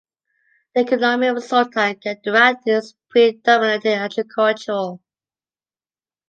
The economy of Sultan Kudarat is predominantly agricultural.